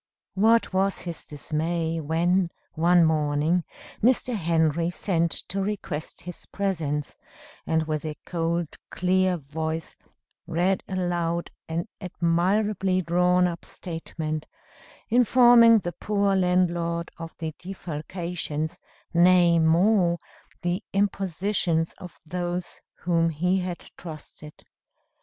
What was his dismay when, one morning, Mr. Henry sent to request his presence, and, with a cold, clear voice, read aloud an admirably drawn up statement, informing the poor landlord of the defalcations, nay more, the impositions of those whom he had trusted.